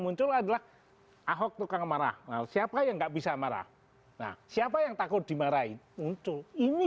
muncul adalah ahok tukang marah siapa yang nggak bisa marah nah siapa yang takut dimarahin muncul ini